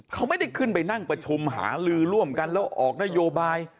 เขาไม่ได้ขึ้นไปนั่งประชุมหาลือร่วมกันแล้วออกนโยบาย